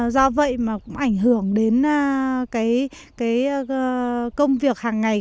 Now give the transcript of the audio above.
do vậy mà cũng ảnh hưởng đến cái công việc hàng ngày